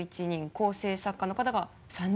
構成作家の方が３人。